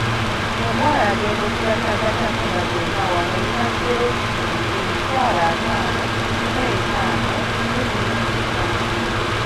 Omuwala agenda okugattagattamu nga byonna awamu bimazeewo siringi emitwalo ataano mu etaano mu nnusu bina.